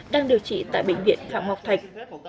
đang điều trị tại bệnh viện phạm ngọc thuận